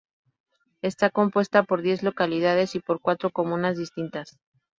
Está compuesta por diez localidades y por cuatro comunas distintas.